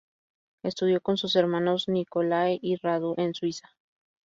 Estudió con sus hermanos Nicolae y Radu en Suiza.